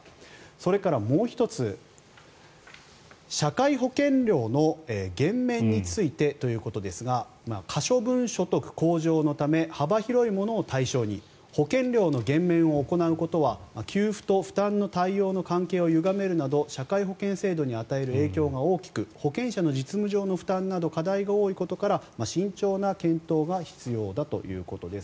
それからもう１つ社会保険料の減免についてということですが可処分所得向上のため幅広いものを対象に保険料の減免を行うことは給付と負担の対応の関係をゆがめるなど社会保険制度に与える影響が大きく保険者の実務上の負担など課題が多いことから慎重な検討が必要だということです。